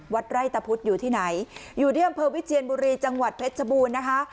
ไร่ตะพุทธอยู่ที่ไหนอยู่ที่อำเภอวิเชียนบุรีจังหวัดเพชรชบูรณ์นะคะ